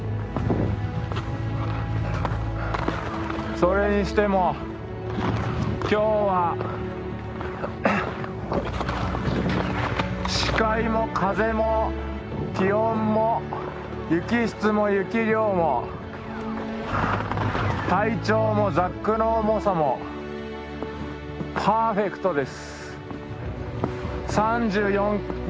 それにしても今日は視界も風も気温も雪質も雪量も体調もザックの重さもパーフェクトです。